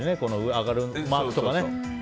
上がるマークとかね。